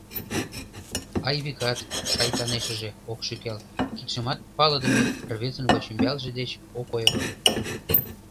Айвикат, шайтанешыже, ок шӱкал, кидшымат палыдыме рвезын вачӱмбалже деч ок ойыро.